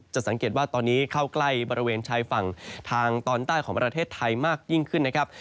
สังเกตว่าตอนนี้เข้าใกล้บริเวณชายฝั่งทางตอนใต้ของประเทศไทยมากยิ่งขึ้นนะครับ